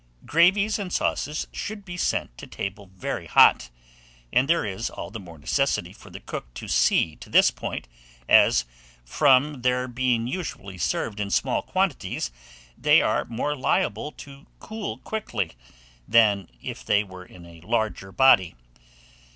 GRAVIES AND SAUCES SHOULD BE SENT TO TABLE VERY HOT; and there is all the more necessity for the cook to see to this point, as, from their being usually served in small quantities, they are more liable to cool quickly than if they were in a larger body.